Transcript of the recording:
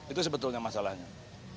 itu sebetulnya masalahnya